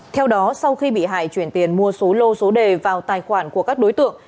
theo đó sau khi bị hại chuyển tiền mua số lô số đề vào tài khoản của các đối tượng